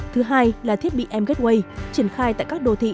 thứ hai là thiết bị m gateway triển khai tại các đô thị